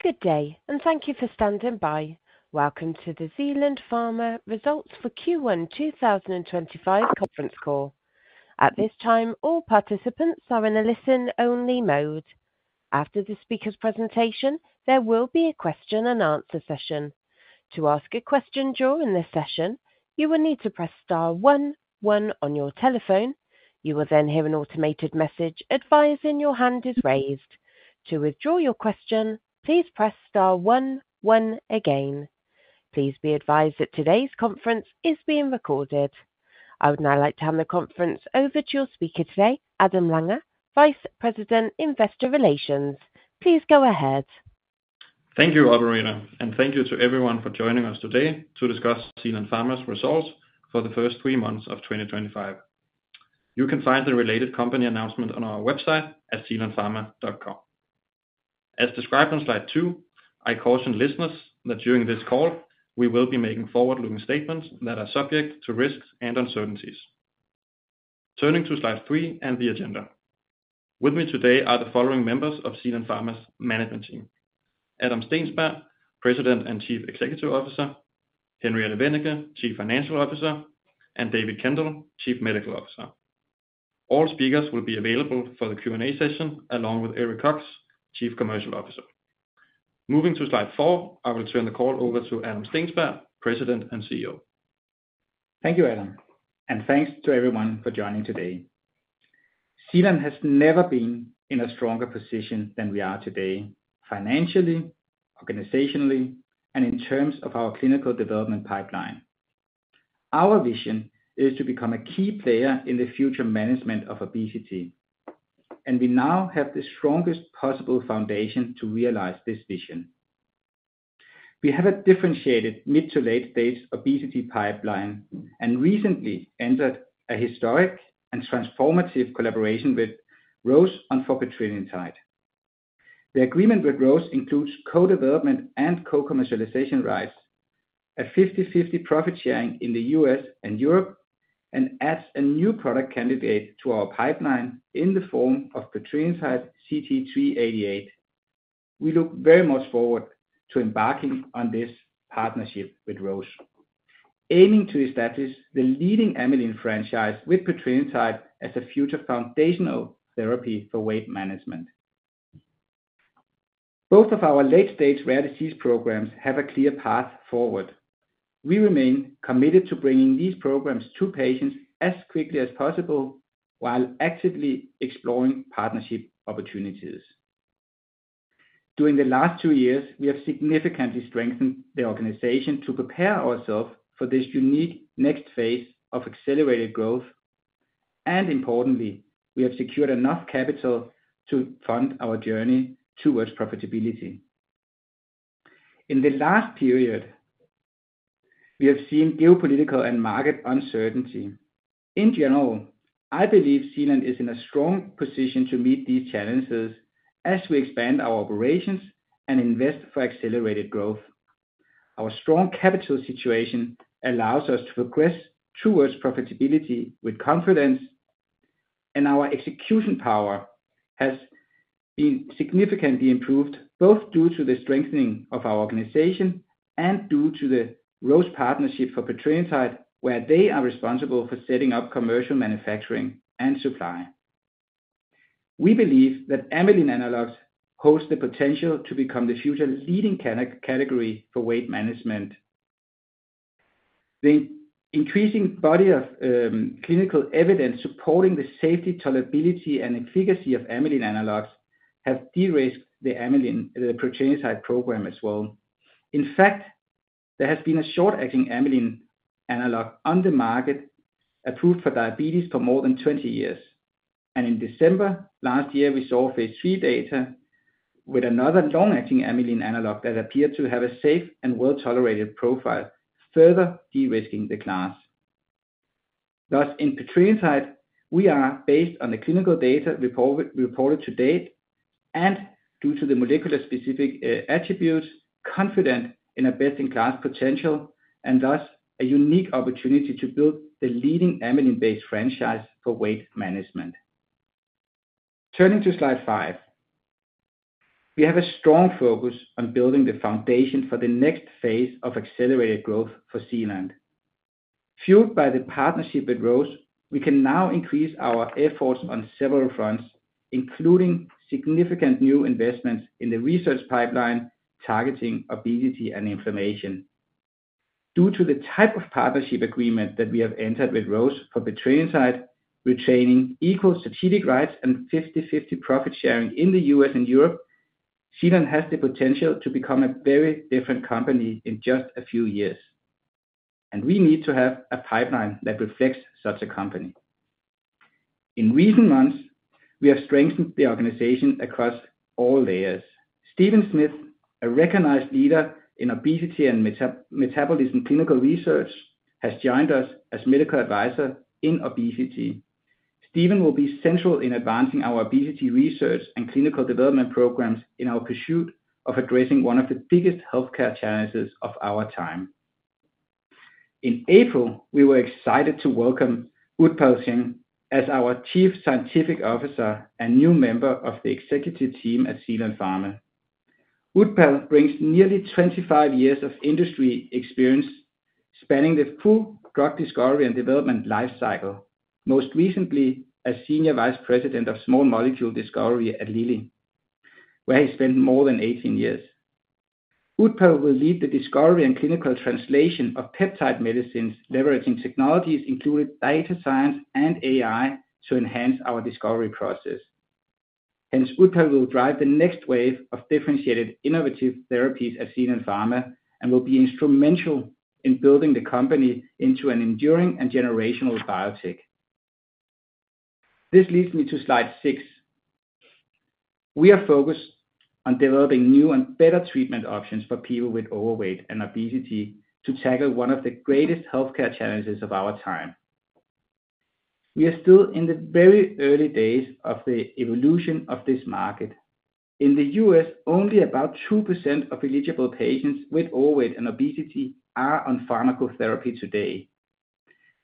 Good day, and thank you for standing by. Welcome to the Zealand Pharma Results for Q1 2025 conference call. At this time, all participants are in a listen-only mode. After the speaker's presentation, there will be a question-and-answer session. To ask a question during this session, you will need to press star 1, 1 on your telephone. You will then hear an automated message advising your hand is raised. To withdraw your question, please press star 1, 1 again. Please be advised that today's conference is being recorded. I would now like to hand the conference over to your speaker today, Adam Lange, Vice President, Investor Relations. Please go ahead. Thank you, Operator, and thank you to everyone for joining us today to discuss Zealand Pharma's results for the first three months of 2025. You can find the related company announcement on our website at zealandpharma.com. As described on slide two, I caution listeners that during this call, we will be making forward-looking statements that are subject to risks and uncertainties. Turning to slide three and the agenda. With me today are the following members of Zealand Pharma's management team: Adam Steensberg, President and Chief Executive Officer; Henriette Wennicke, Chief Financial Officer; and David Kendall, Chief Medical Officer. All speakers will be available for the Q&A session along with Eric Cox, Chief Commercial Officer. Moving to slide four, I will turn the call over to Adam Steensberg, President and CEO. Thank you, Adam, and thanks to everyone for joining today. Zealand has never been in a stronger position than we are today, financially, organizationally, and in terms of our clinical development pipeline. Our vision is to become a key player in the future management of obesity, and we now have the strongest possible foundation to realize this vision. We have a differentiated mid-to-late-stage obesity pipeline and recently entered a historic and transformative collaboration with Roche on petrelintide. The agreement with Roche includes co-development and co-commercialization rights, a 50/50 profit sharing in the U.S. and Europe, and adds a new product candidate to our pipeline in the form of petrelintide CT388. We look very much forward to embarking on this partnership with Roche, aiming to establish the leading amylin franchise with petrelintide as a future foundational therapy for weight management. Both of our late-stage rare disease programs have a clear path forward. We remain committed to bringing these programs to patients as quickly as possible while actively exploring partnership opportunities. During the last two years, we have significantly strengthened the organization to prepare ourselves for this unique next phase of accelerated growth, and importantly, we have secured enough capital to fund our journey towards profitability. In the last period, we have seen geopolitical and market uncertainty. In general, I believe Zealand Pharma is in a strong position to meet these challenges as we expand our operations and invest for accelerated growth. Our strong capital situation allows us to progress towards profitability with confidence, and our execution power has been significantly improved both due to the strengthening of our organization and due to the Roche partnership for petrelintide, where they are responsible for setting up commercial manufacturing and supply. We believe that amylin analogs hold the potential to become the future leading category for weight management. The increasing body of clinical evidence supporting the safety, tolerability, and efficacy of amylin analogs has de-risked the amylin, the protein site program as well. In fact, there has been a short-acting amylin analog on the market approved for diabetes for more than 20 years, and in December last year, we saw phase three data with another long-acting amylin analog that appeared to have a safe and well-tolerated profile, further de-risking the class. Thus, in petrelintide, we are based on the clinical data reported to date and due to the molecular-specific attributes, confident in our best-in-class potential and thus a unique opportunity to build the leading amylin-based franchise for weight management. Turning to slide five, we have a strong focus on building the foundation for the next phase of accelerated growth for Zealand. Fueled by the partnership with Roche, we can now increase our efforts on several fronts, including significant new investments in the research pipeline targeting obesity and inflammation. Due to the type of partnership agreement that we have entered with Roche for petrelintide, retaining equal strategic rights and 50/50 profit sharing in the US and Europe, Zealand has the potential to become a very different company in just a few years, and we need to have a pipeline that reflects such a company. In recent months, we have strengthened the organization across all layers. Steven Smith, a recognized leader in obesity and metabolism clinical research, has joined us as Medical Advisor in obesity. Steven will be central in advancing our obesity research and clinical development programs in our pursuit of addressing one of the biggest healthcare challenges of our time. In April, we were excited to welcome Utpal Singh as our Chief Scientific Officer and new member of the executive team at Zealand Pharma. Utpal brings nearly 25 years of industry experience spanning the full drug discovery and development lifecycle, most recently as Senior Vice President of Small Molecule Discovery at Lilly, where he spent more than 18 years. Utpal will lead the discovery and clinical translation of peptide medicines, leveraging technologies including data science and AI to enhance our discovery process. Hence, Utpal will drive the next wave of differentiated innovative therapies at Zealand Pharma and will be instrumental in building the company into an enduring and generational biotech. This leads me to slide six. We are focused on developing new and better treatment options for people with overweight and obesity to tackle one of the greatest healthcare challenges of our time. We are still in the very early days of the evolution of this market. In the US, only about 2% of eligible patients with overweight and obesity are on pharmacotherapy today.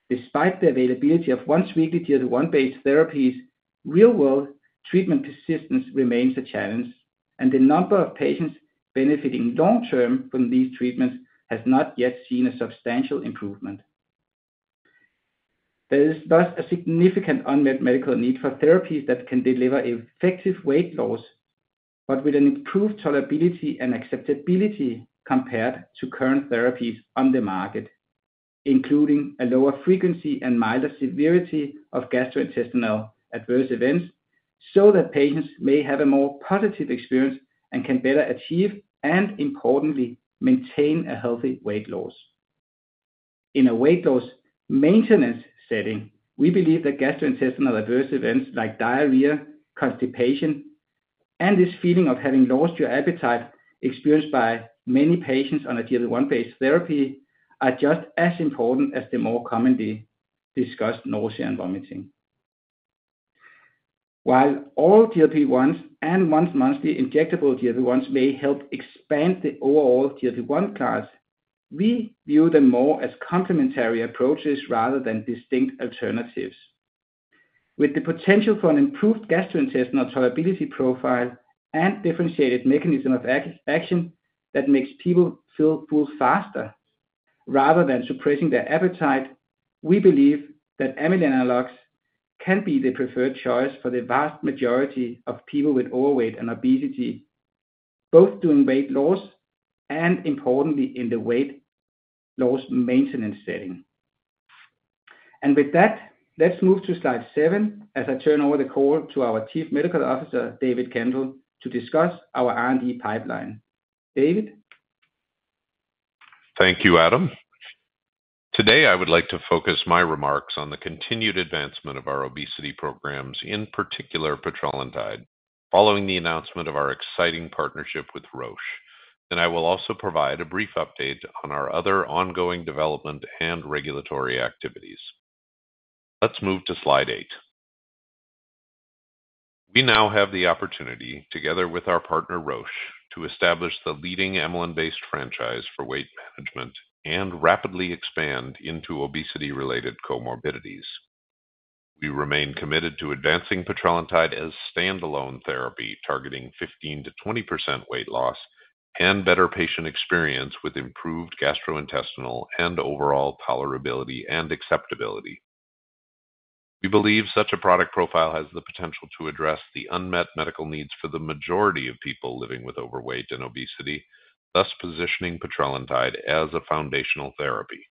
Despite the availability of once-weekly GLP-1-based therapies, real-world treatment persistence remains a challenge, and the number of patients benefiting long-term from these treatments has not yet seen a substantial improvement. There is thus a significant unmet medical need for therapies that can deliver effective weight loss, but with an improved tolerability and acceptability compared to current therapies on the market, including a lower frequency and milder severity of gastrointestinal adverse events so that patients may have a more positive experience and can better achieve, and importantly, maintain a healthy weight loss. In a weight loss maintenance setting, we believe that gastrointestinal adverse events like diarrhea, constipation, and this feeling of having lost your appetite experienced by many patients on a GLP-1-based therapy are just as important as the more commonly discussed nausea and vomiting. While all GLP-1s and once-monthly injectable GLP-1s may help expand the overall GLP-1 class, we view them more as complementary approaches rather than distinct alternatives. With the potential for an improved gastrointestinal tolerability profile and differentiated mechanism of action that makes people feel full faster rather than suppressing their appetite, we believe that amylin analogs can be the preferred choice for the vast majority of people with overweight and obesity, both during weight loss and, importantly, in the weight loss maintenance setting. With that, let's move to slide seven as I turn over the call to our Chief Medical Officer, David Kendall, to discuss our R&D pipeline. David. Thank you, Adam. Today, I would like to focus my remarks on the continued advancement of our obesity programs, in particular, petrelintide, following the announcement of our exciting partnership with Roche. I will also provide a brief update on our other ongoing development and regulatory activities. Let's move to slide eight. We now have the opportunity, together with our partner Roche, to establish the leading amylin-based franchise for weight management and rapidly expand into obesity-related comorbidities. We remain committed to advancing petrelintide as standalone therapy targeting 15-20% weight loss and better patient experience with improved gastrointestinal and overall tolerability and acceptability. We believe such a product profile has the potential to address the unmet medical needs for the majority of people living with overweight and obesity, thus positioning petrelintide as a foundational therapy.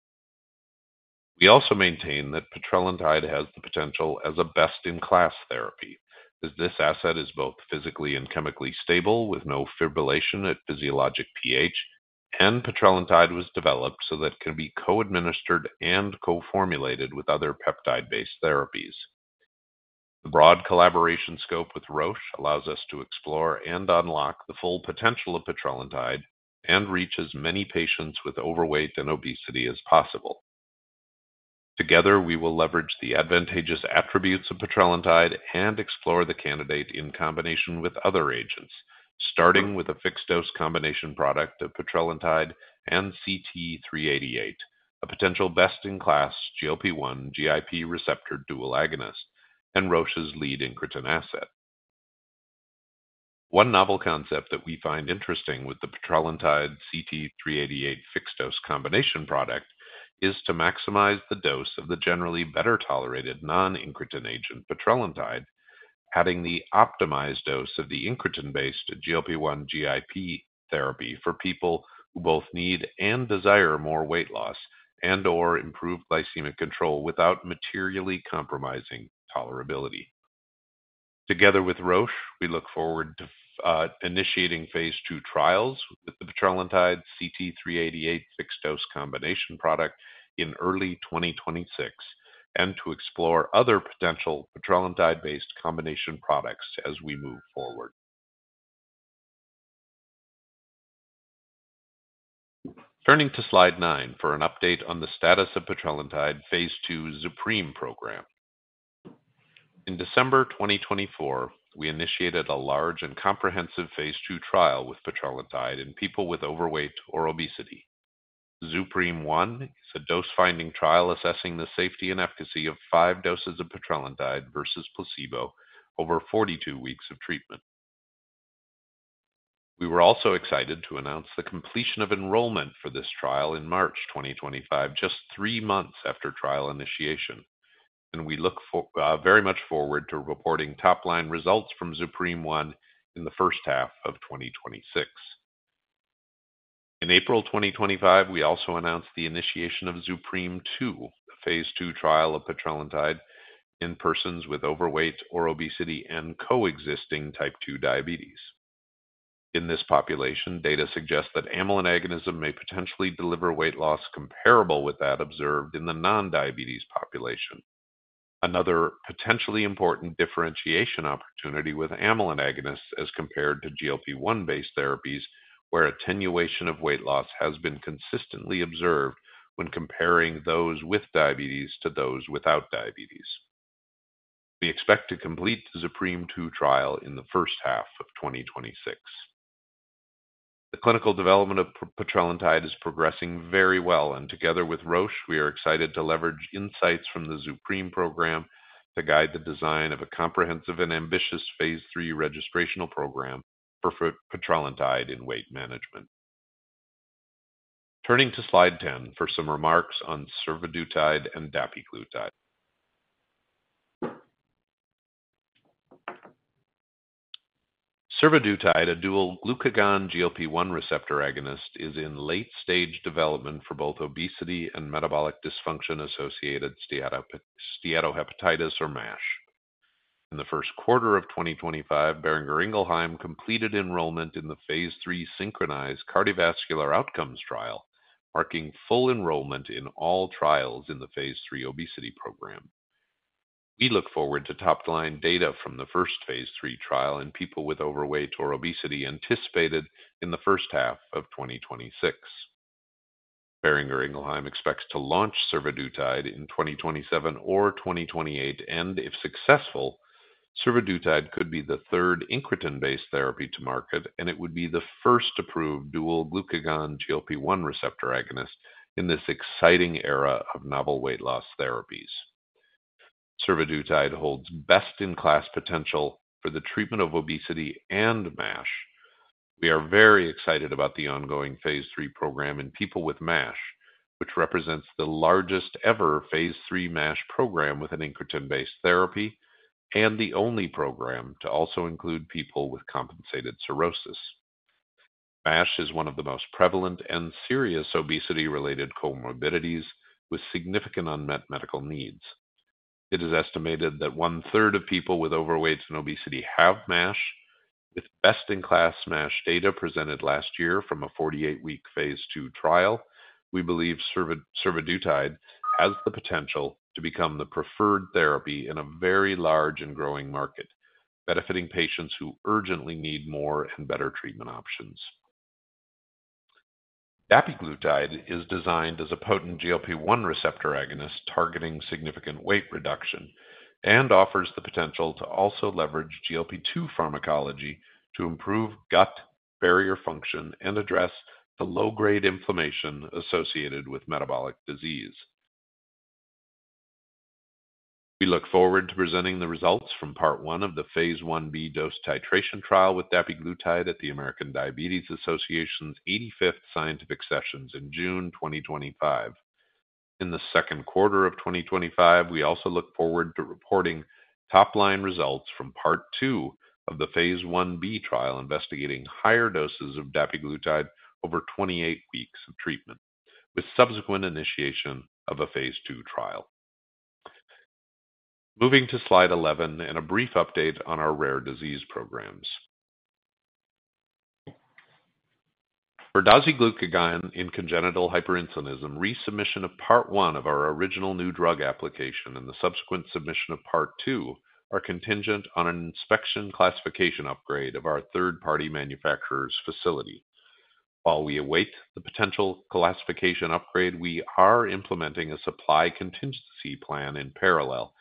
We also maintain that petrelintide has the potential as a best-in-class therapy as this asset is both physically and chemically stable with no fibrillation at physiologic pH, and petrelintide was developed so that it can be co-administered and co-formulated with other peptide-based therapies. The broad collaboration scope with Roche allows us to explore and unlock the full potential of petrelintide and reach as many patients with overweight and obesity as possible. Together, we will leverage the advantageous attributes of petrelintide and explore the candidate in combination with other agents, starting with a fixed-dose combination product of petrelintide and CT388, a potential best-in-class GLP-1 GIP receptor dual agonist and Roche's lead incretin asset. One novel concept that we find interesting with the petrelintide CT388 fixed-dose combination product is to maximize the dose of the generally better tolerated non-incretin agent petrelintide, adding the optimized dose of the incretin-based GLP-1 GIP therapy for people who both need and desire more weight loss and/or improved glycemic control without materially compromising tolerability. Together with Roche, we look forward to initiating phase two trials with the petrelintide CT388 fixed-dose combination product in early 2026 and to explore other potential petrelintide-based combination products as we move forward. Turning to slide nine for an update on the status of petrelintide phase two Zupreme program. In December 2024, we initiated a large and comprehensive phase two trial with petrelintide in people with overweight or obesity. Zupreme one is a dose-finding trial assessing the safety and efficacy of five doses of petrelintide versus placebo over 42 weeks of treatment. We were also excited to announce the completion of enrollment for this trial in March 2025, just three months after trial initiation, and we look very much forward to reporting top-line results from Zupreme one in the first half of 2026. In April 2025, we also announced the initiation of Zupreme two, a phase two trial of petrelintide in persons with overweight or obesity and coexisting type 2 diabetes. In this population, data suggest that amylin agonism may potentially deliver weight loss comparable with that observed in the non-diabetes population. Another potentially important differentiation opportunity with amylin agonists as compared to GLP-1-based therapies, where attenuation of weight loss has been consistently observed when comparing those with diabetes to those without diabetes. We expect to complete the Zupreme 2 trial in the first half of 2026. The clinical development of petrelintide is progressing very well, and together with Roche, we are excited to leverage insights from the Zupreme program to guide the design of a comprehensive and ambitious phase 3 registrational program for petrelintide in weight management. Turning to slide 10 for some remarks on survodutide and dapiglutide. Survodutide, a dual glucagon GLP-1 receptor agonist, is in late-stage development for both obesity and metabolic dysfunction-associated steatohepatitis or MASH. In the first quarter of 2025, Boehringer Ingelheim completed enrollment in the phase 3 SYNCHRONIZE cardiovascular outcomes trial, marking full enrollment in all trials in the phase 3 obesity program. We look forward to top-line data from the first phase 3 trial in people with overweight or obesity anticipated in the first half of 2026. Boehringer Ingelheim expects to launch survodutide in 2027 or 2028, and if successful, survodutide could be the third incretin-based therapy to market, and it would be the first approved dual glucagon GLP-1 receptor agonist in this exciting era of novel weight loss therapies. Survodutide holds best-in-class potential for the treatment of obesity and MASH. We are very excited about the ongoing phase three program in people with MASH, which represents the largest ever Phase Three MASH program with an incretin-based therapy and the only program to also include people with compensated cirrhosis. MASH is one of the most prevalent and serious obesity-related comorbidities with significant unmet medical needs. It is estimated that one-third of people with overweight and obesity have MASH. With best-in-class MASH data presented last year from a 48-week phase two trial, we believe survodutide has the potential to become the preferred therapy in a very large and growing market, benefiting patients who urgently need more and better treatment options. Dapiglutide is designed as a potent GLP-1 receptor agonist targeting significant weight reduction and offers the potential to also leverage GLP-2 pharmacology to improve gut barrier function and address the low-grade inflammation associated with metabolic disease. We look forward to presenting the results from part one of the phase one B dose titration trial with dapiglutide at the American Diabetes Association's 85th scientific sessions in June 2025. In the second quarter of 2025, we also look forward to reporting top-line results from part two of the phase one B trial investigating higher doses of dapiglutide over 28 weeks of treatment with subsequent initiation of a phase two trial. Moving to slide 11 and a brief update on our rare disease programs. For dasiglucagon in congenital hyperinsulinism, resubmission of part one of our original new drug application and the subsequent submission of part two are contingent on an inspection classification upgrade of our third-party manufacturer's facility. While we await the potential classification upgrade, we are implementing a supply contingency plan in parallel,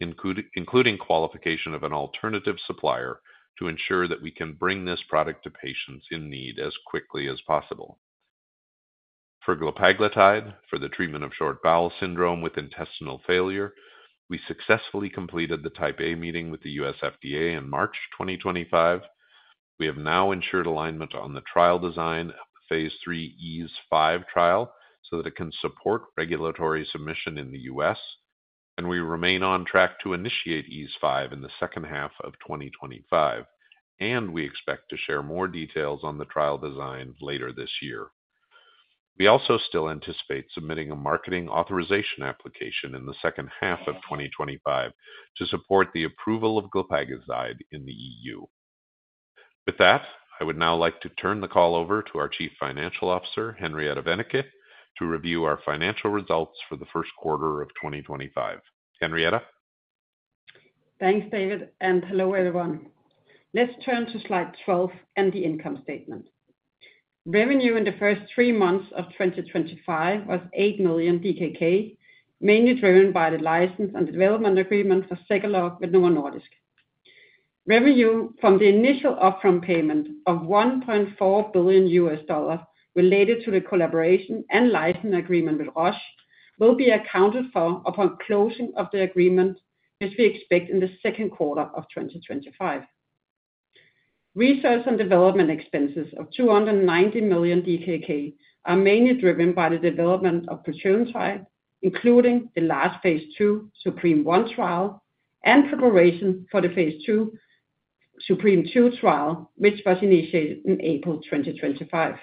including qualification of an alternative supplier to ensure that we can bring this product to patients in need as quickly as possible. For glopaglutide, for the treatment of short bowel syndrome with intestinal failure, we successfully completed the type A meeting with the U.S. FDA in March 2025. We have now ensured alignment on the trial design of the phase three EASE-5 trial so that it can support regulatory submission in the U.S., and we remain on track to initiate EASE-5 in the second half of 2025, and we expect to share more details on the trial design later this year. We also still anticipate submitting a marketing authorization application in the second half of 2025 to support the approval of glopaglutide in the EU. With that, I would now like to turn the call over to our Chief Financial Officer, Henriette Wennicke, to review our financial results for the first quarter of 2025. Henriette? Thanks, David, and hello, everyone. Let's turn to slide 12 and the income statement. Revenue in the first three months of 2025 was 8 million DKK, mainly driven by the license and development agreement for dasiglucagon with Novo Nordisk. Revenue from the initial upfront payment of $1.4 billion related to the collaboration and license agreement with Roche will be accounted for upon closing of the agreement, which we expect in the second quarter of 2025. Research and development expenses of 290 million DKK are mainly driven by the development of petrelintide, including the last phase two Zupreme one trial and preparation for the phase two Zupreme two trial, which was initiated in April 2025.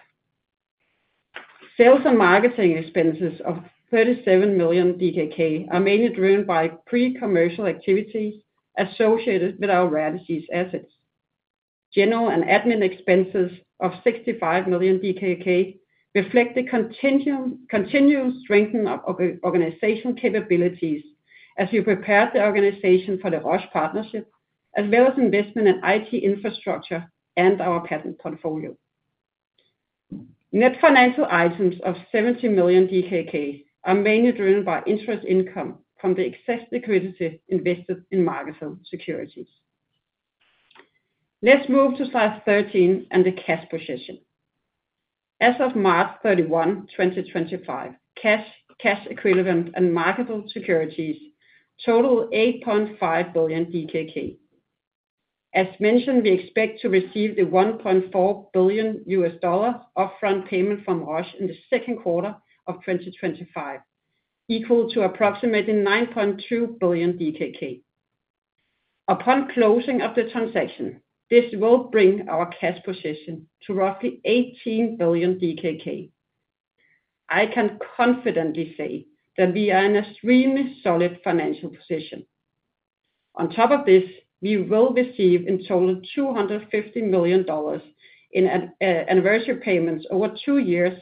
Sales and marketing expenses of 37 million DKK are mainly driven by pre-commercial activities associated with our rare disease assets. General and admin expenses of 65 million DKK reflect the continued strengthening of organizational capabilities as we prepare the organization for the Roche partnership, as well as investment in IT infrastructure and our patent portfolio. Net financial items of 70 million DKK are mainly driven by interest income from the excess liquidity invested in market-held securities. Let's move to slide 13 and the cash position. As of March 31, 2025, cash equivalent and marketable securities total 8.5 billion DKK. As mentioned, we expect to receive the $1.4 billion upfront payment from Roche in the second quarter of 2025, equal to approximately 9.2 billion DKK. Upon closing of the transaction, this will bring our cash position to roughly 18 billion DKK. I can confidently say that we are in an extremely solid financial position. On top of this, we will receive in total $250 million in anniversary payments over two years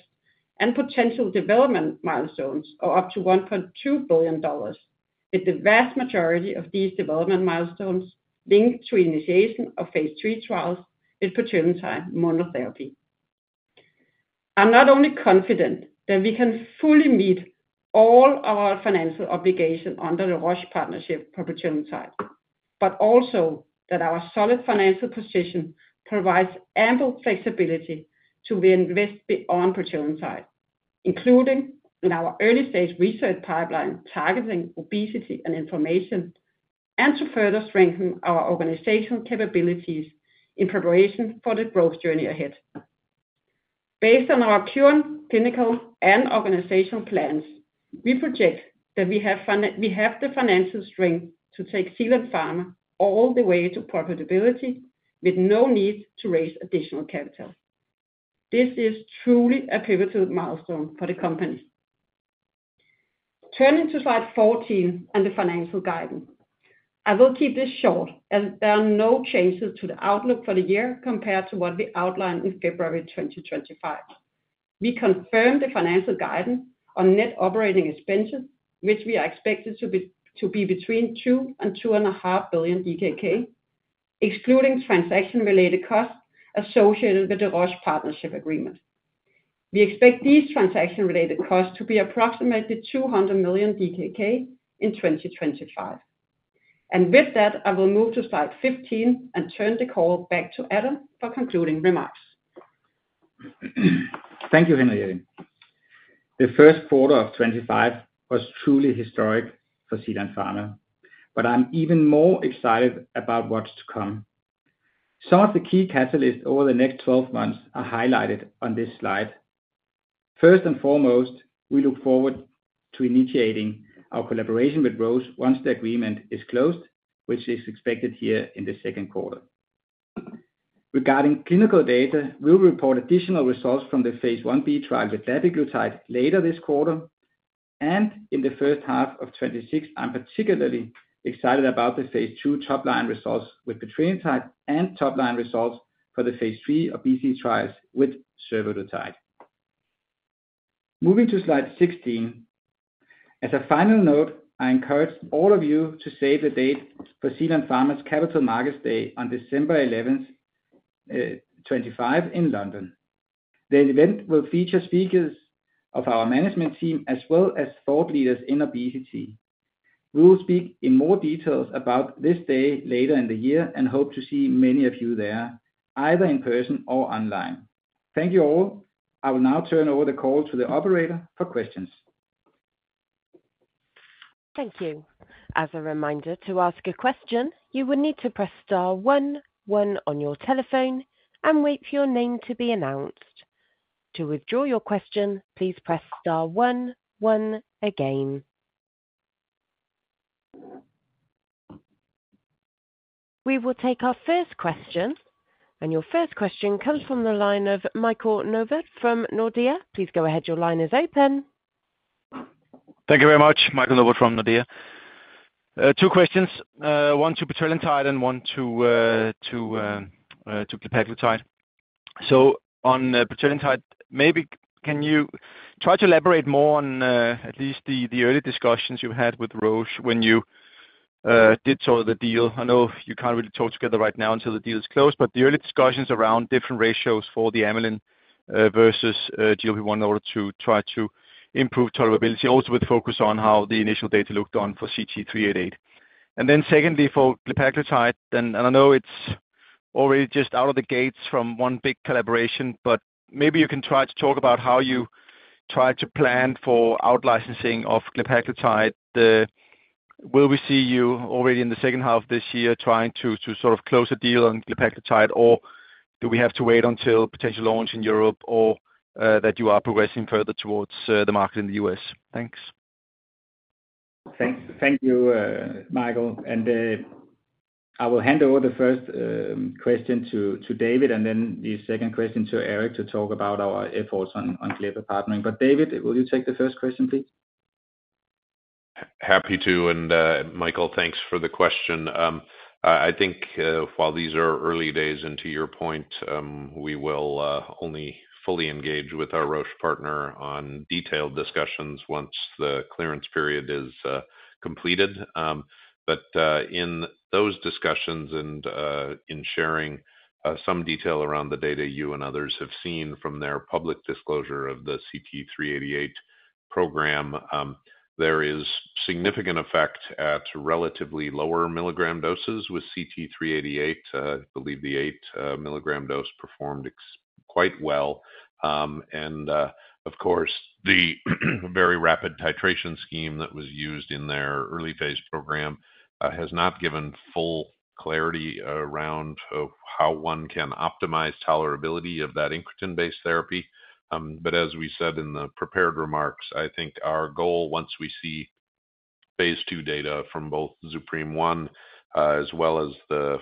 and potential development milestones of up to $1.2 billion, with the vast majority of these development milestones linked to initiation of phase three trials with petrelintide monotherapy. I'm not only confident that we can fully meet all our financial obligations under the Roche partnership for petrelintide, but also that our solid financial position provides ample flexibility to invest beyond petrelintide, including in our early-stage research pipeline targeting obesity and inflammation, and to further strengthen our organizational capabilities in preparation for the growth journey ahead. Based on our current clinical and organizational plans, we project that we have the financial strength to take Zealand Pharma all the way to profitability with no need to raise additional capital. This is truly a pivotal milestone for the company. Turning to slide 14 and the financial guidance, I will keep this short as there are no changes to the outlook for the year compared to what we outlined in February 2025. We confirmed the financial guidance on net operating expenses, which we are expected to be between 2 billion-2.5 billion DKK, excluding transaction-related costs associated with the Roche partnership agreement. We expect these transaction-related costs to be approximately 200 million DKK in 2025. With that, I will move to slide 15 and turn the call back to Adam for concluding remarks. Thank you, Henriette. The first quarter of 2025 was truly historic for Zealand Pharma, but I'm even more excited about what's to come. Some of the key catalysts over the next 12 months are highlighted on this slide. First and foremost, we look forward to initiating our collaboration with Roche once the agreement is closed, which is expected here in the second quarter. Regarding clinical data, we will report additional results from the phase 1b trial with dapiglutide later this quarter, and in the first half of 2026, I'm particularly excited about the phase 2 top-line results with petrelintide and top-line results for the phase 3 obesity trials with survodutide. Moving to slide 16, as a final note, I encourage all of you to save the date for Zealand Pharma's Capital Markets Day on December 11, 2025, in London. The event will feature speakers of our management team as well as thought leaders in obesity. We will speak in more details about this day later in the year and hope to see many of you there, either in person or online. Thank you all. I will now turn over the call to the operator for questions. Thank you. As a reminder, to ask a question, you will need to press star 1, 1 on your telephone and wait for your name to be announced. To withdraw your question, please press star 1, 1 again. We will take our first question, and your first question comes from the line of Michael Novod from Nordea. Please go ahead. Your line is open. Thank you very much, Michael Novod from Nordea. Two questions, one to petrelintide and one to dapiglutide. On petrelintide, maybe can you try to elaborate more on at least the early discussions you had with Roche when you did sort of the deal? I know you can't really talk together right now until the deal is closed, but the early discussions around different ratios for the amylin versus GLP-1 in order to try to improve tolerability, also with focus on how the initial data looked for CT388. Secondly, for glopaglutide, and I know it's already just out of the gates from one big collaboration, but maybe you can try to talk about how you try to plan for outlicensing of glopaglutide. Will we see you already in the second half of this year trying to sort of close a deal on glopaglutide, or do we have to wait until potential launch in Europe or that you are progressing further towards the market in the U.S.? Thanks. Thank you, Michael. I will hand over the first question to David, and then the second question to Eric to talk about our efforts on GLP-1 partnering. David, will you take the first question, please? Happy to, and Michael, thanks for the question. I think while these are early days, and to your point, we will only fully engage with our Roche partner on detailed discussions once the clearance period is completed. In those discussions and in sharing some detail around the data you and others have seen from their public disclosure of the CT388 program, there is significant effect at relatively lower milligram doses with CT388. I believe the 8 milligram dose performed quite well. Of course, the very rapid titration scheme that was used in their early-phase program has not given full clarity around how one can optimize tolerability of that incretin-based therapy. As we said in the prepared remarks, I think our goal, once we see phase two data from both Zupreme one, as well as the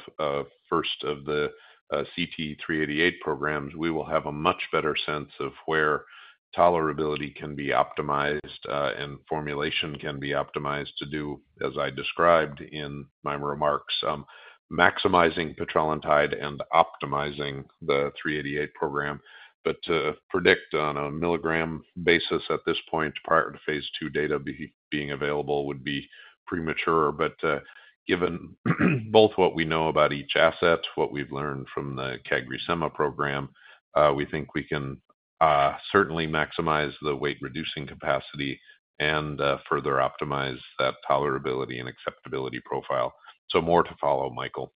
first of the CT388 programs, we will have a much better sense of where tolerability can be optimized and formulation can be optimized to do, as I described in my remarks, maximizing petrelintide and optimizing the 388 program. To predict on a milligram basis at this point prior to phase two data being available would be premature. Given both what we know about each asset, what we have learned from the CagriSema program, we think we can certainly maximize the weight-reducing capacity and further optimize that tolerability and acceptability profile. More to follow, Michael.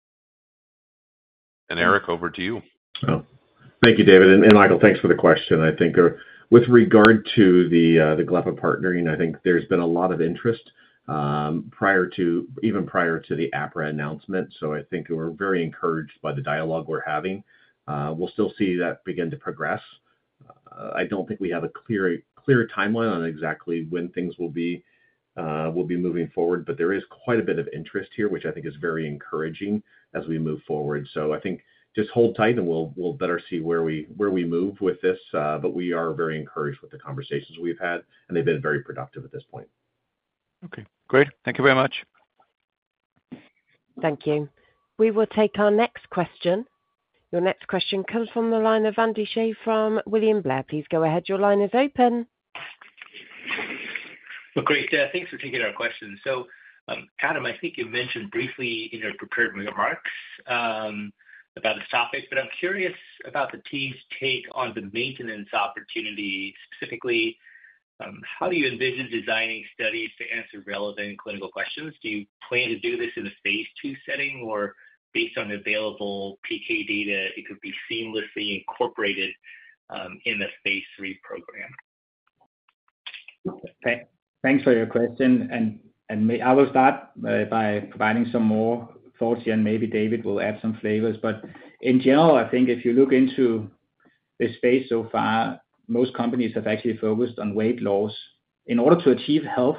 Eric, over to you. Thank you, David. Michael, thanks for the question. I think with regard to the GLP-1 partnering, I think there's been a lot of interest even prior to the APRA announcement. I think we're very encouraged by the dialogue we're having. We'll still see that begin to progress. I don't think we have a clear timeline on exactly when things will be moving forward, but there is quite a bit of interest here, which I think is very encouraging as we move forward. I think just hold tight, and we'll better see where we move with this. We are very encouraged with the conversations we've had, and they've been very productive at this point. Okay. Great. Thank you very much. Thank you. We will take our next question. Your next question comes from the line of Andy Shea from William Blair. Please go ahead. Your line is open. Great. Thanks for taking our question. Adam, I think you mentioned briefly in your prepared remarks about this topic, but I'm curious about the team's take on the maintenance opportunity. Specifically, how do you envision designing studies to answer relevant clinical questions? Do you plan to do this in a phase two setting, or based on available PK data, it could be seamlessly incorporated in the phase three program? Okay. Thanks for your question. I will start by providing some more thoughts here, and maybe David will add some flavors. In general, I think if you look into the space so far, most companies have actually focused on weight loss. In order to achieve health,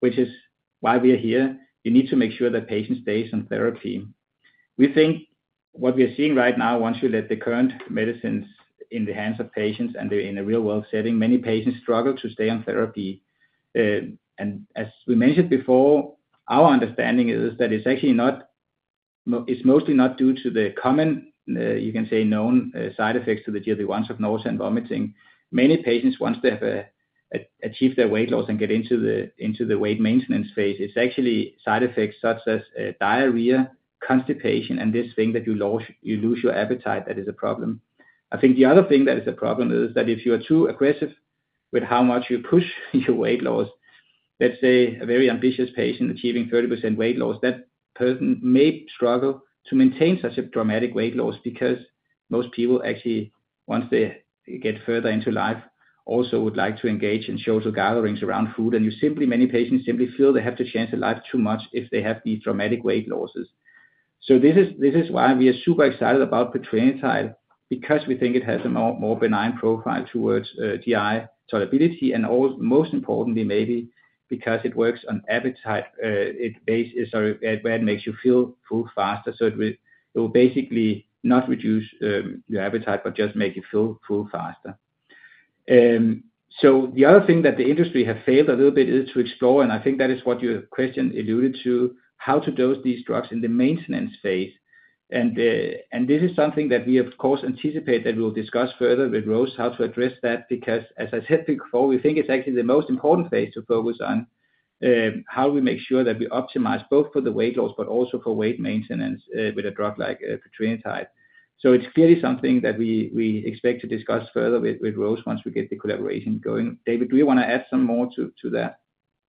which is why we are here, you need to make sure that patients stay on therapy. We think what we are seeing right now, once you let the current medicines in the hands of patients and they are in a real-world setting, many patients struggle to stay on therapy. As we mentioned before, our understanding is that it is mostly not due to the common, you can say, known side effects to the GLP-1s of nausea and vomiting. Many patients, once they have achieved their weight loss and get into the weight maintenance phase, it's actually side effects such as diarrhea, constipation, and this thing that you lose your appetite that is a problem. I think the other thing that is a problem is that if you are too aggressive with how much you push your weight loss, let's say a very ambitious patient achieving 30% weight loss, that person may struggle to maintain such a dramatic weight loss because most people actually, once they get further into life, also would like to engage in social gatherings around food. Many patients simply feel they have to change their life too much if they have these dramatic weight losses. This is why we are super excited about petrelintide, because we think it has a more benign profile towards GI tolerability, and most importantly, maybe because it works on appetite basis, where it makes you feel full faster. It will basically not reduce your appetite, but just make you feel full faster. The other thing that the industry has failed a little bit is to explore, and I think that is what your question alluded to, how to dose these drugs in the maintenance phase. This is something that we, of course, anticipate that we will discuss further with Roche, how to address that, because as I said before, we think it's actually the most important phase to focus on. How do we make sure that we optimize both for the weight loss, but also for weight maintenance with a drug like petrelintide? It is clearly something that we expect to discuss further with Roche once we get the collaboration going. David, do you want to add some more to that?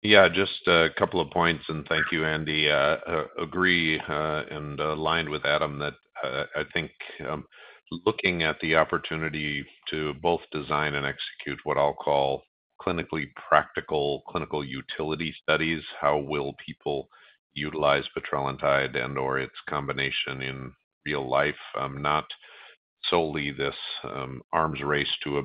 Yeah, just a couple of points, and thank you, Andi. I agree and aligned with Adam that I think looking at the opportunity to both design and execute what I'll call clinically practical clinical utility studies, how will people utilize petrelintide and/or its combination in real life, not solely this arms race to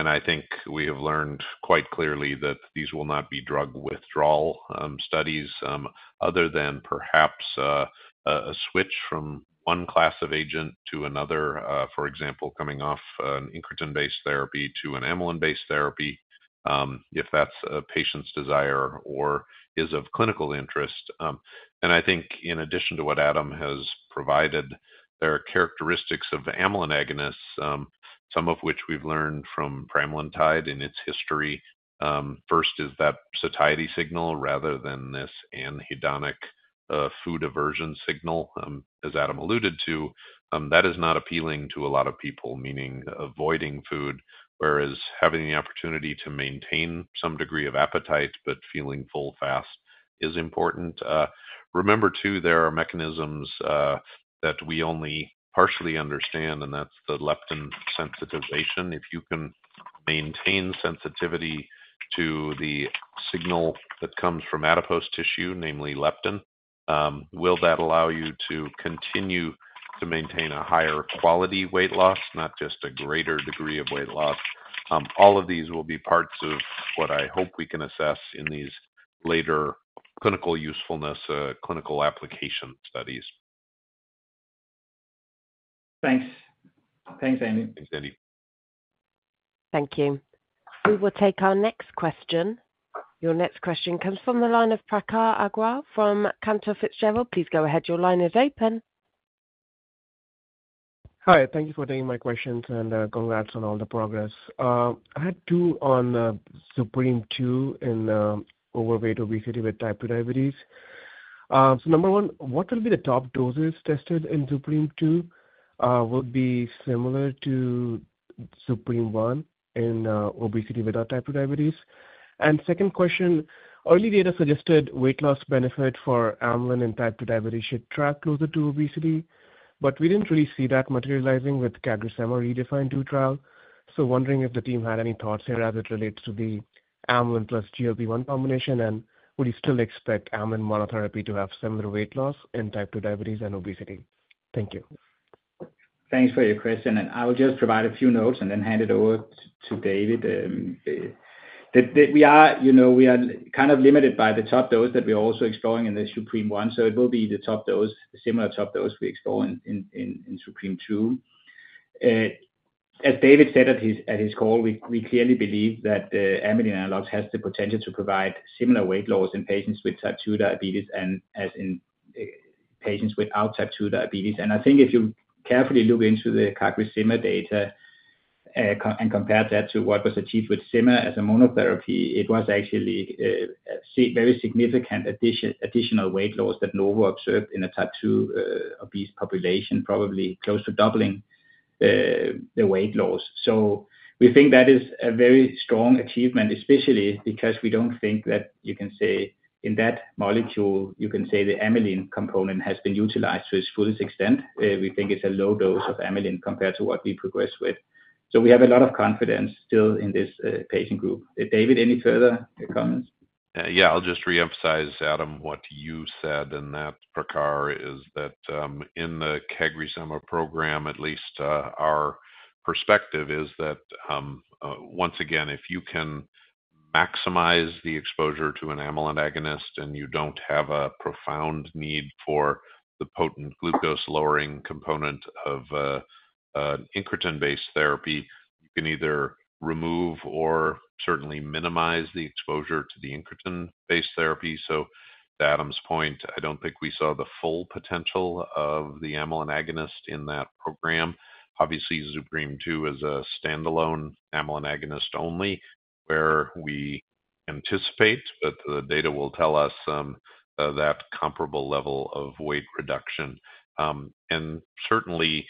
a bigger number over a relatively short period of time. I think we have learned quite clearly that these will not be drug withdrawal studies other than perhaps a switch from one class of agent to another, for example, coming off an incretin-based therapy to an amylin-based therapy, if that's a patient's desire or is of clinical interest. I think in addition to what Adam has provided, there are characteristics of amylin agonists, some of which we've learned from pramlintide in its history. First is that satiety signal rather than this anhedonic food aversion signal, as Adam alluded to. That is not appealing to a lot of people, meaning avoiding food, whereas having the opportunity to maintain some degree of appetite but feeling full fast is important. Remember too, there are mechanisms that we only partially understand, and that's the leptin sensitization. If you can maintain sensitivity to the signal that comes from adipose tissue, namely leptin, will that allow you to continue to maintain a higher quality weight loss, not just a greater degree of weight loss? All of these will be parts of what I hope we can assess in these later clinical usefulness, clinical application studies. Thanks. Thanks, Andi. Thanks, Andi. Thank you. We will take our next question. Your next question comes from the line of Prakhar Agrawal from Cantor Fitzgerald. Please go ahead. Your line is open. Hi. Thank you for taking my questions and congrats on all the progress. I had two on Zupreme 2 in overweight obesity with type 2 diabetes. Number one, what will be the top doses tested in Zupreme 2? Would it be similar to Zupreme 1 in obesity without type 2 diabetes? Second question, early data suggested weight loss benefit for amylin in type 2 diabetes should track closer to obesity, but we did not really see that materializing with CagriSema redefined 2 trial. I am wondering if the team had any thoughts here as it relates to the amylin plus GLP-1 combination, and would you still expect amylin monotherapy to have similar weight loss in type 2 diabetes and obesity? Thank you. Thanks for your question. I will just provide a few notes and then hand it over to David. We are kind of limited by the top dose that we are also exploring in the Zupreme 1, so it will be the similar top dose we explore in Zupreme 2. As David said at his call, we clearly believe that amylin analogs have the potential to provide similar weight loss in patients with type 2 diabetes as in patients without type 2 diabetes. I think if you carefully look into the CagriSema data and compare that to what was achieved with Sema as a monotherapy, it was actually a very significant additional weight loss that Novo observed in a type 2 obese population, probably close to doubling the weight loss. We think that is a very strong achievement, especially because we do not think that you can say in that molecule, you can say the amylin component has been utilized to its fullest extent. We think it is a low dose of amylin compared to what we progress with. We have a lot of confidence still in this patient group. David, any further comments? Yeah, I'll just reemphasize, Adam, what you said. That, Prakhar, is that in the CagriSema program, at least our perspective is that once again, if you can maximize the exposure to an amylin agonist and you don't have a profound need for the potent glucose-lowering component of incretin-based therapy, you can either remove or certainly minimize the exposure to the incretin-based therapy. To Adam's point, I don't think we saw the full potential of the amylin agonist in that program. Obviously, Zupreme 2 is a standalone amylin agonist only, where we anticipate that the data will tell us that comparable level of weight reduction. Certainly,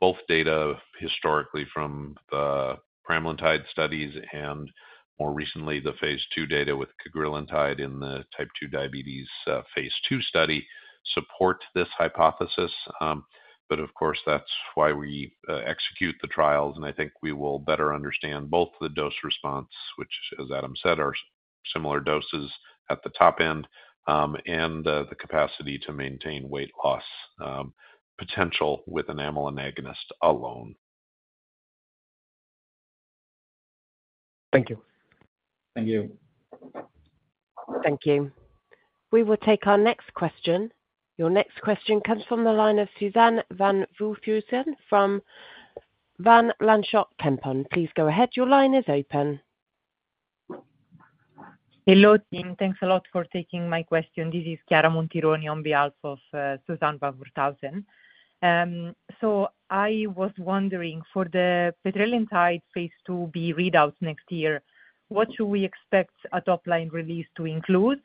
both data historically from the pramlintide studies and more recently the phase two data with petrelintide in the type 2 diabetes phase two study support this hypothesis. Of course, that's why we execute the trials, and I think we will better understand both the dose response, which, as Adam said, are similar doses at the top end, and the capacity to maintain weight loss potential with an amylin agonist alone. Thank you. Thank you. Thank you. We will take our next question. Your next question comes from the line of Suzanne van de Vroomen from Van Lanschot Kempen. Please go ahead. Your line is open. Hello, team. Thanks a lot for taking my question. This is Chiara Montironi on behalf of Suzanne van de Vroomen. I was wondering, for the petrelintide phase 2b readouts next year, what should we expect a top-line release to include,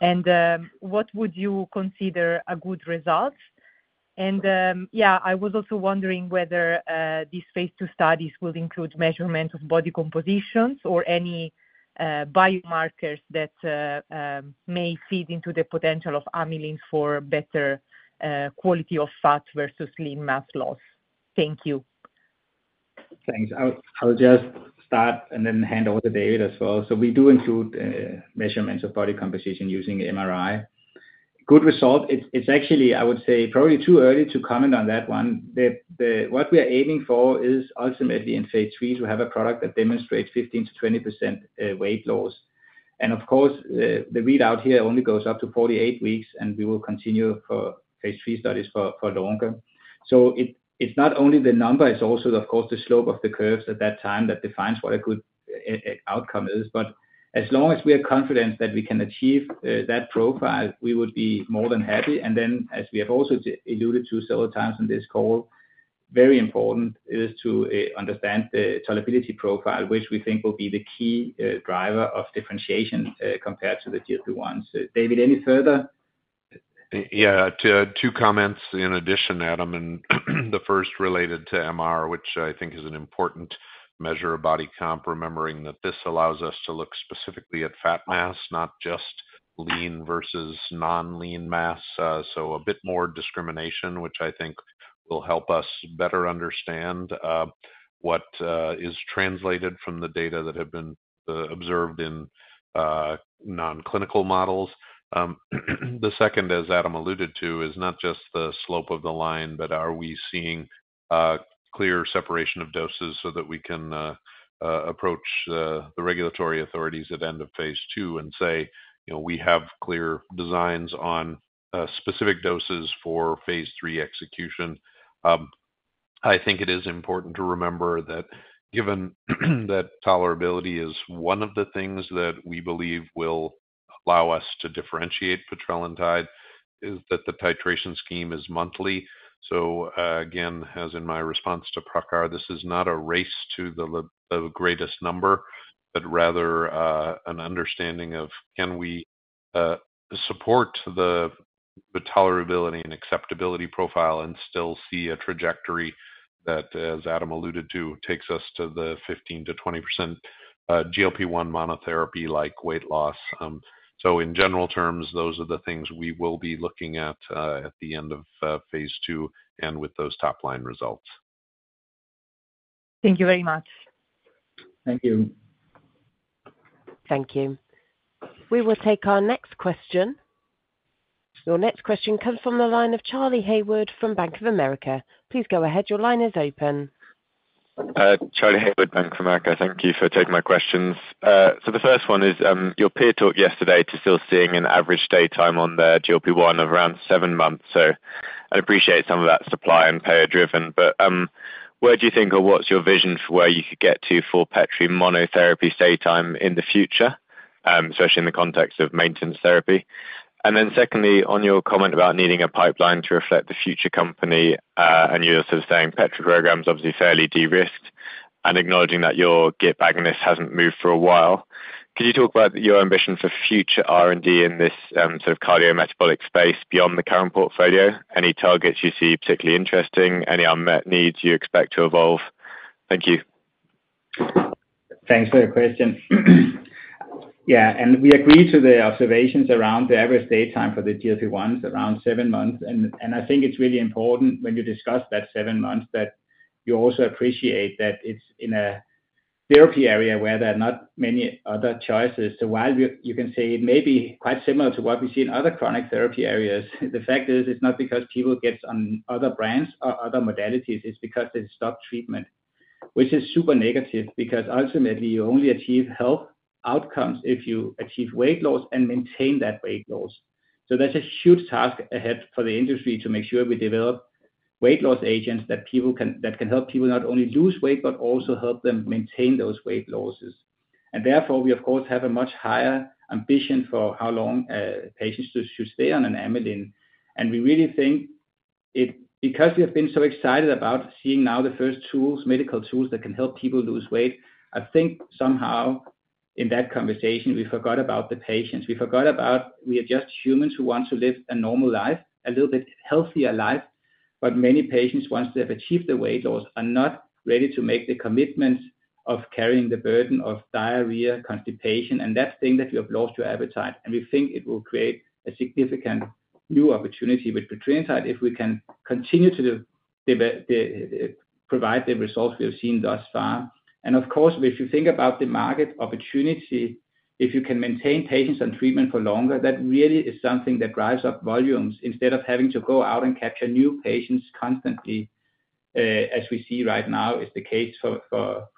and what would you consider a good result? I was also wondering whether these phase 2 studies will include measurements of body composition or any biomarkers that may feed into the potential of amylin for better quality of fat versus lean mass loss. Thank you. Thanks. I'll just start and then hand over to David as well. We do include measurements of body composition using MRI. Good result. It's actually, I would say, probably too early to comment on that one. What we are aiming for is ultimately in phase three to have a product that demonstrates 15%-20% weight loss. Of course, the readout here only goes up to 48 weeks, and we will continue for phase three studies for longer. It's not only the number, it's also, of course, the slope of the curves at that time that defines what a good outcome is. As long as we are confident that we can achieve that profile, we would be more than happy. As we have also alluded to several times on this call, very important is to understand the tolerability profile, which we think will be the key driver of differentiation compared to the GLP-1s. David, any further? Yeah, two comments in addition, Adam. The first related to MR, which I think is an important measure of body comp, remembering that this allows us to look specifically at fat mass, not just lean versus non-lean mass. A bit more discrimination, which I think will help us better understand what is translated from the data that have been observed in non-clinical models. The second, as Adam alluded to, is not just the slope of the line, but are we seeing clear separation of doses so that we can approach the regulatory authorities at the end of phase two and say, "We have clear designs on specific doses for phase three execution." I think it is important to remember that given that tolerability is one of the things that we believe will allow us to differentiate petrelintide, the titration scheme is monthly. Again, as in my response to Prakhar, this is not a race to the greatest number, but rather an understanding of can we support the tolerability and acceptability profile and still see a trajectory that, as Adam alluded to, takes us to the 15%-20% GLP-1 monotherapy-like weight loss. In general terms, those are the things we will be looking at at the end of phase two and with those top-line results. Thank you very much. Thank you. Thank you. We will take our next question. Your next question comes from the line of Charlie Hayward from Bank of America. Please go ahead. Your line is open. Thank you for taking my questions. The first one is, your peer talked yesterday to still seeing an average stay time on the GLP-1 of around seven months. I appreciate some of that is supply and payer-driven. Where do you think, or what's your vision for where you could get to for petrelintide monotherapy stay time in the future, especially in the context of maintenance therapy? Secondly, on your comment about needing a pipeline to reflect the future company, and you're sort of saying petrelintide program is obviously fairly de-risked, and acknowledging that your GIP agonist has not moved for a while, could you talk about your ambition for future R&D in this sort of cardiometabolic space beyond the current portfolio? Any targets you see particularly interesting? Any unmet needs you expect to evolve? Thank you. Thanks for your question. Yeah, and we agree to the observations around the average stay time for the GLP-1s, around seven months. I think it's really important when you discuss that seven months that you also appreciate that it's in a therapy area where there are not many other choices. While you can say it may be quite similar to what we see in other chronic therapy areas, the fact is it's not because people get on other brands or other modalities. It's because they stop treatment, which is super negative because ultimately you only achieve health outcomes if you achieve weight loss and maintain that weight loss. There's a huge task ahead for the industry to make sure we develop weight loss agents that can help people not only lose weight, but also help them maintain those weight losses. Therefore, we, of course, have a much higher ambition for how long patients should stay on an amylin. We really think because we have been so excited about seeing now the first medical tools that can help people lose weight, I think somehow in that conversation, we forgot about the patients. We forgot about we are just humans who want to live a normal life, a little bit healthier life. Many patients, once they have achieved the weight loss, are not ready to make the commitment of carrying the burden of diarrhea, constipation, and that thing that you have lost your appetite. We think it will create a significant new opportunity with petrelintide if we can continue to provide the results we have seen thus far. Of course, if you think about the market opportunity, if you can maintain patients on treatment for longer, that really is something that drives up volumes instead of having to go out and capture new patients constantly, as we see right now is the case for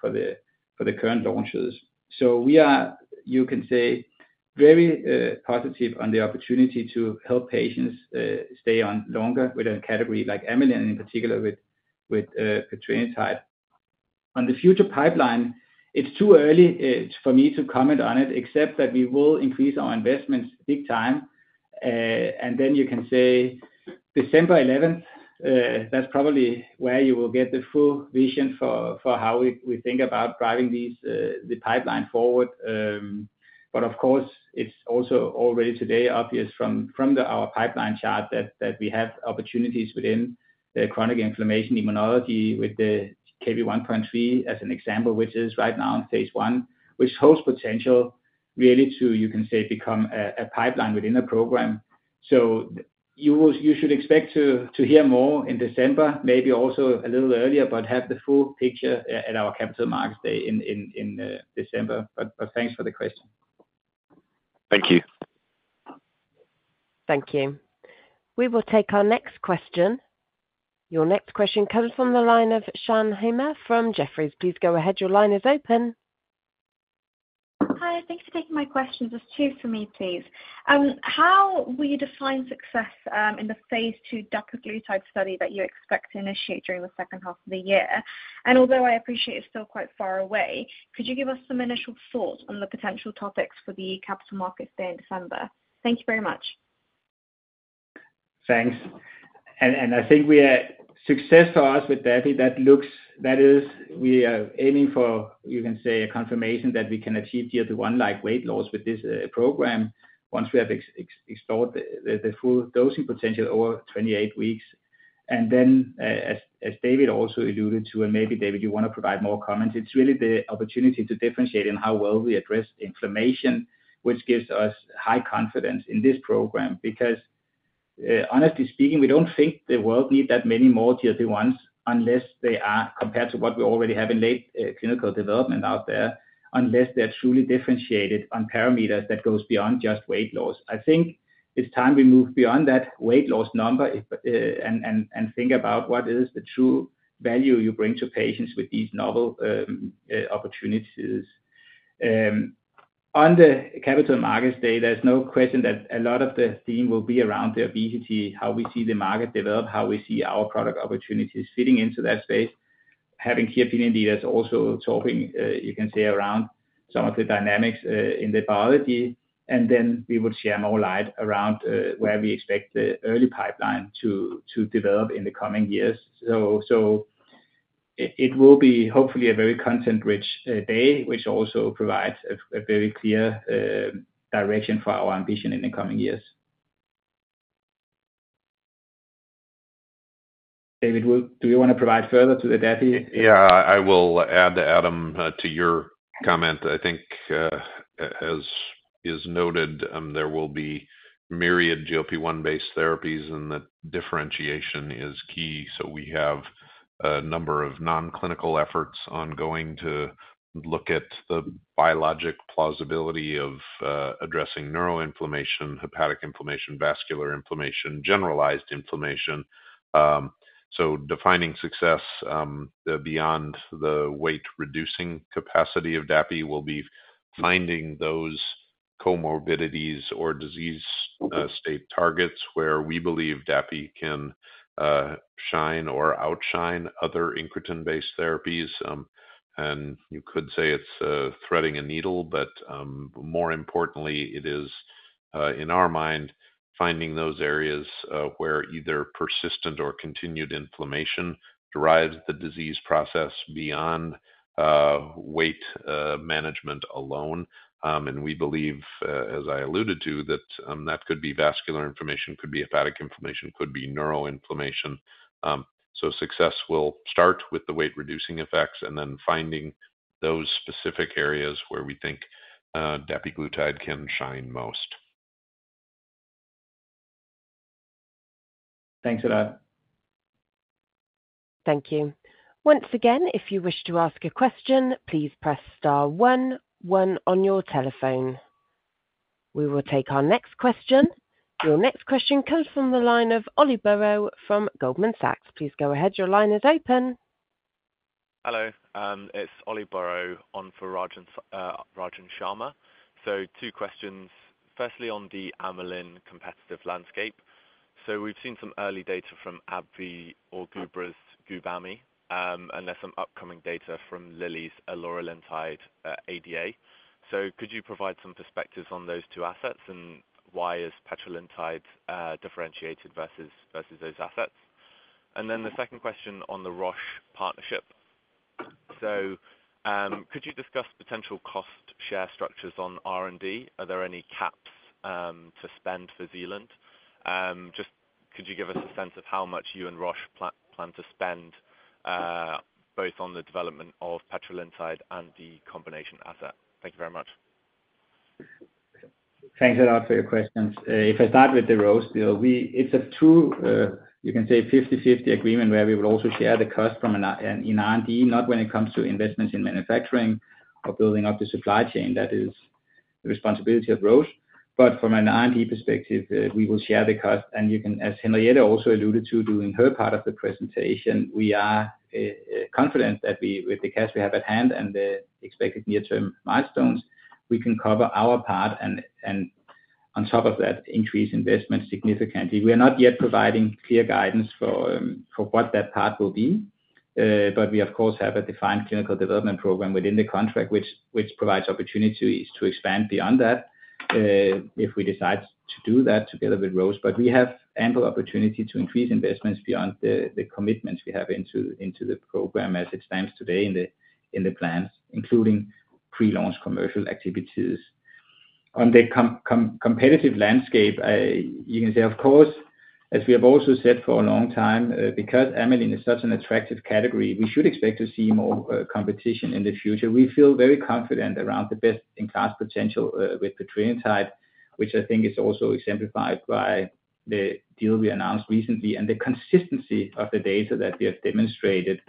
the current launches. We are, you can say, very positive on the opportunity to help patients stay on longer with a category like amylin, in particular with petrelintide. On the future pipeline, it's too early for me to comment on it, except that we will increase our investments big time. You can say December 11, that's probably where you will get the full vision for how we think about driving the pipeline forward. Of course, it's also already today obvious from our pipeline chart that we have opportunities within the chronic inflammation immunology with the KB1.3 as an example, which is right now in phase one, which holds potential really to, you can say, become a pipeline within a program. You should expect to hear more in December, maybe also a little earlier, but have the full picture at our capital markets day in December. Thanks for the question. Thank you. Thank you. We will take our next question. Your next question comes from the line of Sean Hennessy from Jefferies. Please go ahead. Your line is open. Hi. Thanks for taking my questions. There are two for me, please. How will you define success in the phase two dapiglutide study that you expect to initiate during the second half of the year? Although I appreciate it's still quite far away, could you give us some initial thoughts on the potential topics for the Capital Markets Day in December? Thank you very much. Thanks. I think success for us with that, that is we are aiming for, you can say, a confirmation that we can achieve GLP-1-like weight loss with this program once we have explored the full dosing potential over 28 weeks. As David also alluded to, and maybe David, do you want to provide more comments? It's really the opportunity to differentiate in how well we address inflammation, which gives us high confidence in this program. Because honestly speaking, we don't think the world needs that many more GLP-1s unless they are compared to what we already have in late clinical development out there, unless they're truly differentiated on parameters that go beyond just weight loss. I think it's time we move beyond that weight loss number and think about what is the true value you bring to patients with these novel opportunities. On the Capital Markets Day, there's no question that a lot of the theme will be around the obesity, how we see the market develop, how we see our product opportunities fitting into that space. Having key opinion leaders also talking, you can say, around some of the dynamics in the biology. We will share more light around where we expect the early pipeline to develop in the coming years. It will be hopefully a very content-rich day, which also provides a very clear direction for our ambition in the coming years. David, do you want to provide further to the deputy? Yeah, I will add, Adam, to your comment. I think, as is noted, there will be myriad GLP-1-based therapies, and the differentiation is key. We have a number of non-clinical efforts ongoing to look at the biologic plausibility of addressing neuroinflammation, hepatic inflammation, vascular inflammation, generalized inflammation. Defining success beyond the weight-reducing capacity of DAPI will be finding those comorbidities or disease state targets where we believe DAPI can shine or outshine other incretin-based therapies. You could say it's threading a needle, but more importantly, it is, in our mind, finding those areas where either persistent or continued inflammation drives the disease process beyond weight management alone. We believe, as I alluded to, that that could be vascular inflammation, could be hepatic inflammation, could be neuroinflammation. Success will start with the weight-reducing effects and then finding those specific areas where we think dapiglutide can shine most. Thanks for that. Thank you. Once again, if you wish to ask a question, please press star one, one on your telephone. We will take our next question. Your next question comes from the line of Oliver Burrow from Goldman Sachs. Please go ahead. Your line is open. Hello. It's Oliver Burrow on for Goldman Sachs. Two questions. Firstly, on the amylin competitive landscape. We've seen some early data from AbbVie or Gubra's Gubamy, and there's some upcoming data from Lilly's Aloralentide ADA. Could you provide some perspectives on those two assets and why is petrelintide differentiated versus those assets? The second question on the Roche partnership. Could you discuss potential cost share structures on R&D? Are there any caps to spend for Zealand? Could you give us a sense of how much you and Roche plan to spend both on the development of petrelintide and the combination asset? Thank you very much. Thanks a lot for your questions. If I start with the Roche, it's a true, you can say, 50/50 agreement where we will also share the cost in R&D, not when it comes to investments in manufacturing or building up the supply chain. That is the responsibility of Roche. From an R&D perspective, we will share the cost. As Henriette also alluded to during her part of the presentation, we are confident that with the cash we have at hand and the expected near-term milestones, we can cover our part and on top of that, increase investment significantly. We are not yet providing clear guidance for what that part will be. We, of course, have a defined clinical development program within the contract, which provides opportunities to expand beyond that if we decide to do that together with Roche. We have ample opportunity to increase investments beyond the commitments we have into the program as it stands today in the plans, including pre-launch commercial activities. On the competitive landscape, you can say, of course, as we have also said for a long time, because amylin is such an attractive category, we should expect to see more competition in the future. We feel very confident around the best-in-class potential with petrelintide, which I think is also exemplified by the deal we announced recently and the consistency of the data that we have demonstrated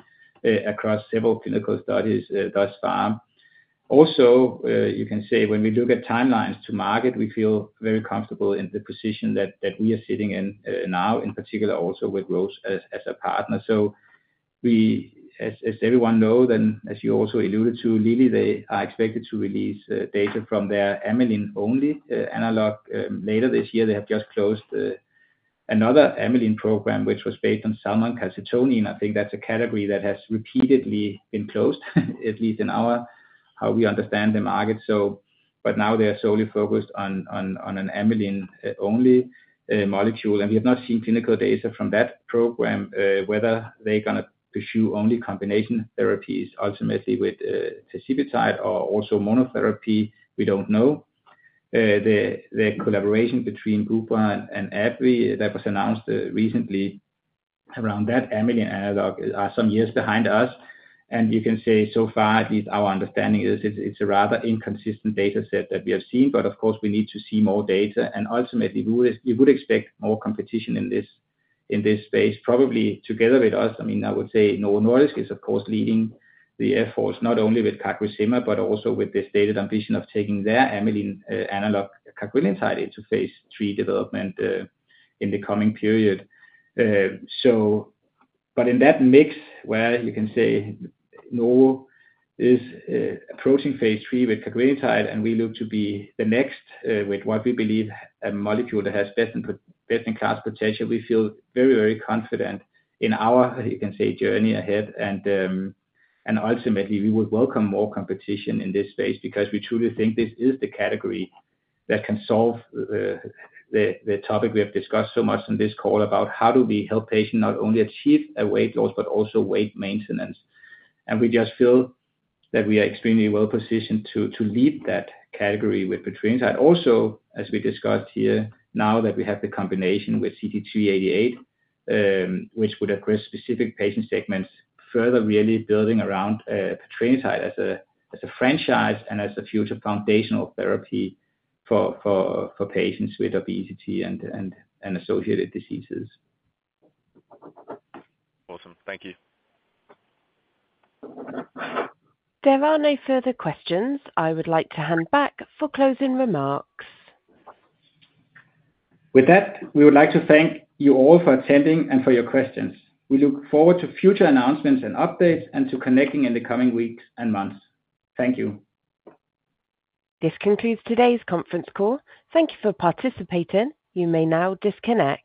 across several clinical studies thus far. Also, you can say when we look at timelines to market, we feel very comfortable in the position that we are sitting in now, in particular also with Roche as a partner. As everyone knows, and as you also alluded to, Lilly, they are expected to release data from their amylin-only analog later this year. They have just closed another amylin program, which was based on salmon calcitonin. I think that's a category that has repeatedly been closed, at least in how we understand the market. Now they are solely focused on an amylin-only molecule. We have not seen clinical data from that program, whether they're going to pursue only combination therapies ultimately with tezubitide or also monotherapy. We don't know. The collaboration between Gubra and AbbVie that was announced recently around that amylin analog are some years behind us. You can say so far, at least our understanding is it's a rather inconsistent data set that we have seen. Of course, we need to see more data. Ultimately, we would expect more competition in this space, probably together with us. I mean, I would say Novo Nordisk is, of course, leading the efforts, not only with CagriSema, but also with this stated ambition of taking their amylin-analog CagriSema. We're going to try it into phase three development in the coming period. In that mix where you can say Novo is approaching phase three with CagriSema, and we look to be the next with what we believe a molecule that has best-in-class potential, we feel very, very confident in our, you can say, journey ahead. Ultimately, we would welcome more competition in this space because we truly think this is the category that can solve the topic we have discussed so much on this call about how do we help patients not only achieve a weight loss, but also weight maintenance. We just feel that we are extremely well-positioned to lead that category with petrelintide. Also, as we discussed here now that we have the combination with CT388, which would address specific patient segments, further really building around petrelintide as a franchise and as a future foundational therapy for patients with obesity and associated diseases. Awesome. Thank you. There are no further questions. I would like to hand back for closing remarks. With that, we would like to thank you all for attending and for your questions. We look forward to future announcements and updates and to connecting in the coming weeks and months. Thank you. This concludes today's conference call. Thank you for participating. You may now disconnect.